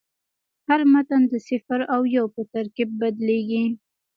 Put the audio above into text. هر متن د صفر او یو په ترکیب بدلېږي.